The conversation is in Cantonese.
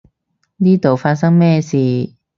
呢度發生咩事？